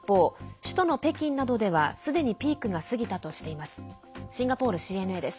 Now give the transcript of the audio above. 首都の北京などでは、すでにピークが過ぎたとしています。